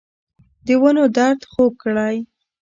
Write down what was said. دونو درد خوږ کړی